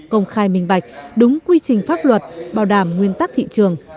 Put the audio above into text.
công khai minh bạch đúng quy trình pháp luật bảo đảm nguyên tắc thị trường